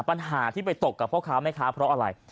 ปัญหาที่ไปตกกับพ่อค้าแม่ค้าเพราะอะไร